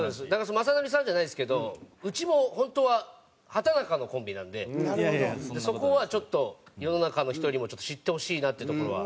雅紀さんじゃないですけどうちも本当は畠中のコンビなんでそこはちょっと世の中の人にも知ってほしいなってところは。